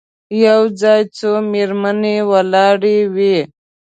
یو ځای څو مېرمنې ولاړې وې.